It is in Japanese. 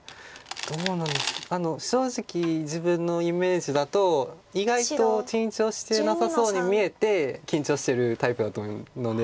どうなんですか正直自分のイメージだと意外と緊張してなさそうに見えて緊張してるタイプだと思うので。